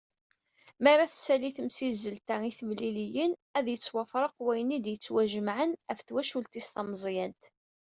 Mi ara tessali temsizzelt-a i temliliyin, ad yettwafreq wayen i d-yettwajemɛen ɣef twacult-is tameẓẓyant.